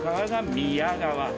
宮川。